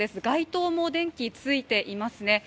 街頭も電気ついていますね。